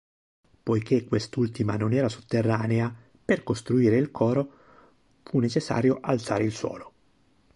Poiché quest'ultima non era sotterranea, per costruire il coro fu necessario alzare il suolo.